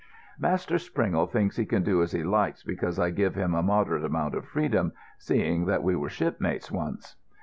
"Master Springle thinks he can do as he likes because I give him a moderate amount of freedom, seeing that we were shipmates once."